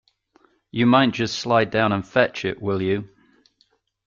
You might just slide down and fetch it, will you?